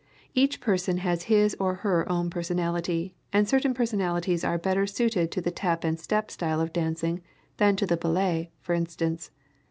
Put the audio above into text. Each person has his or her own personality, and certain personalities are better suited to the Tap and Step style of dancing than to the Ballet, for instance.